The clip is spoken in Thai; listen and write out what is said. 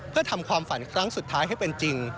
เพื่อทำความฝันครั้งสุดท้ายให้เป็นจริง